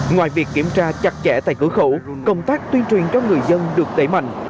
ngoài việc kiểm tra chặt chẽ tại cửa khẩu công tác tuyên truyền cho người dân được đẩy mạnh